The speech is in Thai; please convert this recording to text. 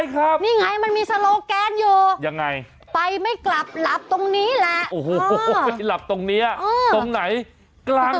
กลับหัวพ่นลุงลุงครับลุงลุงครับลุง